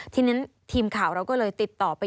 ทีนี้ทีมข่าวเราก็เลยติดต่อไป